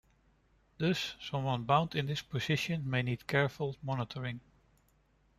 Thus, someone bound in this position may need careful monitoring.